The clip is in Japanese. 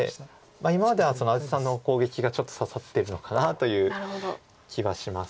今までは安達さんの攻撃がちょっと刺さってるのかなという気がします。